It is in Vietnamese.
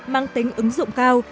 mang tính ứng dụng cao